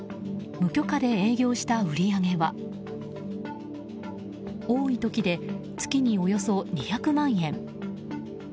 無許可で営業した売り上げは多い時で、月におよそ２００万円。